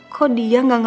kok dia gak ngelibatin gue